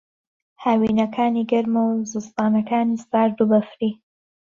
ھاوینەکانی گەرمە و زستانانەکانی سارد و بەفری